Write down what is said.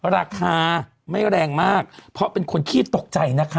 ราคาไม่แรงมากเพราะเป็นคนขี้ตกใจนะคะ